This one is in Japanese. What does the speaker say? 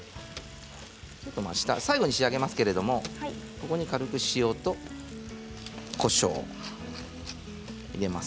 最後に仕上げますけれどもここに軽く塩とこしょうを入れます。